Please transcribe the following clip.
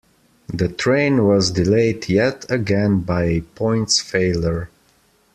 The train was delayed yet again by a points failure